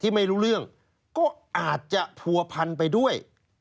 ไม่รู้เรื่องก็อาจจะผัวพันไปด้วย